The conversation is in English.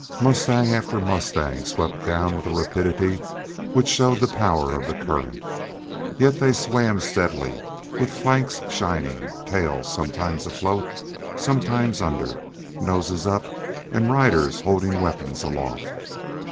Mustang after mustang swept down with a rapidity which showed the power of the current. Yet they swam steadily with flanks shining, tails sometimes afloat, sometimes under, noses up, and riders holding weapons aloft.